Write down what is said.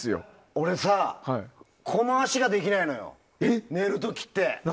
俺さ、この足ができないのよ寝る時。